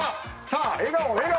笑顔笑顔。